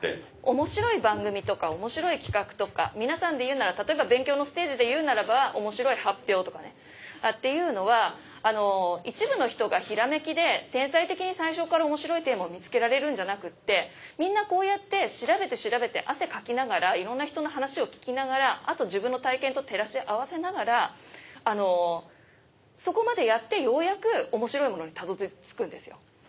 面白い番組とか面白い企画とか皆さんで言うなら例えば勉強のステージで言うならば面白い発表とかね。っていうのは一部の人がひらめきで天才的に最初から面白いテーマを見つけられるんじゃなくってみんなこうやって調べて調べて汗かきながらいろんな人の話を聞きながらあと自分の体験と照らし合わせながらそこまでやってようやく面白いものにたどり着くんですよ。